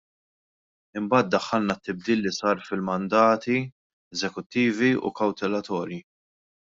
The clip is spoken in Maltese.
Imbagħad daħħalna t-tibdil li sar fil-mandati eżekuttivi u kawtelatorji.